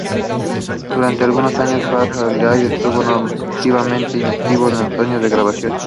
Durante algunos años, Dead or Alive estuvo mayormente inactivo en el estudio de grabación.